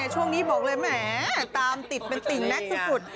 ช่วงนี้บอกเลยแหมตามติดเป็นติ่งนักสุด